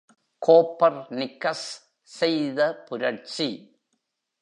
Copper நிக்கஸ் செய்த புரட்சி!